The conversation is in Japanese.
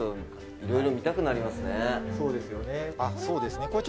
そうですね